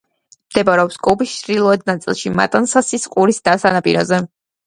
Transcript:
მდებარეობს კუბის ჩრდილოეთ ნაწილში, მატანსასის ყურის სანაპიროზე.